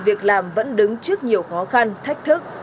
việc làm vẫn đứng trước nhiều khó khăn thách thức